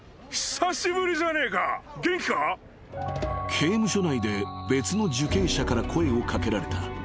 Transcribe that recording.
［刑務所内で別の受刑者から声を掛けられた］